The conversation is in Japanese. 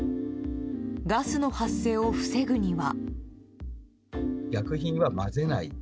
ガスの発生を防ぐには。